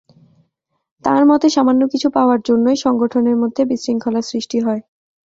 তাঁর মতে, সামান্য কিছু পাওয়ার জন্যই সংগঠনের মধ্যে বিশৃঙ্খলা সৃষ্টি হয়।